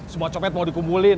semua copet mau dikumpulin